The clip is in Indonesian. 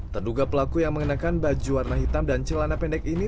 terduga pelaku yang mengenakan baju warna hitam dan celana pendek ini